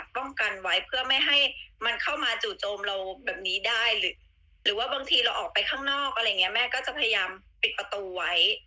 ป้องกันไว้เพื่อไม่ให้มันเข้ามาจู่โจมเราแบบนี้ได้หรือว่าบางทีเราออกไปข้างนอกอะไรอย่างเงี้แม่ก็จะพยายามปิดประตูไว้